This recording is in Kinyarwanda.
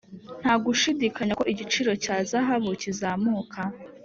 nta gushidikanya ko igiciro cya zahabu kizamuka.